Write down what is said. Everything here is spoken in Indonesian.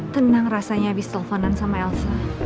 tenang rasanya abis telponan sama elsa